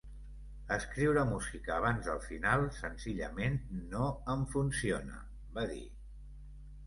Escriure música abans del final, senzillament no em funciona, va dir.